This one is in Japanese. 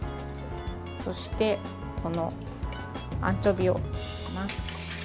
そしてこのアンチョビを入れます。